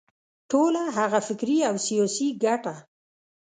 ټوله هغه فکري او سیاسي ګټه.